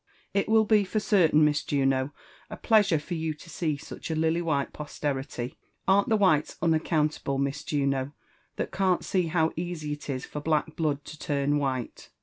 It will be for certain, Mis Juno, a pleasure for you to see such a lily white posterity. Amt the whites unaccountable, Mis Juno, that cant see how easy it is for black blood to turn white